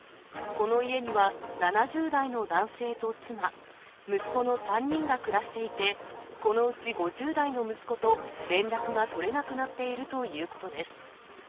この家には７０代の男性と妻、息子の３人が暮らしていて、このうち５０代の息子と連絡が取れなくなっているということです。